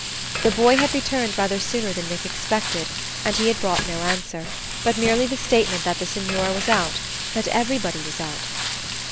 The boy had returned rather sooner than Nick expected, and he had brought no answer, but merely the statement that the signora was out: that everybody was out.